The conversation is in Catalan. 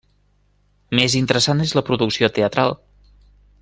Més interessant és la producció teatral.